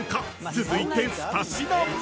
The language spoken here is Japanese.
続いて２品目］